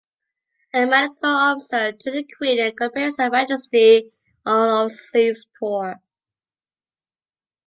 A Medical Officer to the Queen accompanies Her Majesty on overseas tour.